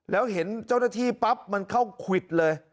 แล้วเห็นเจ้าหน้าที่ปั๊บมันเข้าควิดเลย